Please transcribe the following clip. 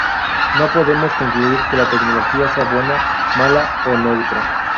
No podemos concluir que la tecnología sea buena, mala o neutra.